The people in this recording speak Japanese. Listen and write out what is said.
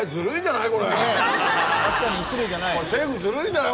確かに１種類じゃない。